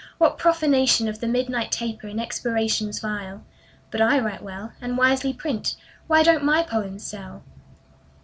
"What profanation of the midnight taper In expirations vile! But I write well, And wisely print. Why don't my poems sell?"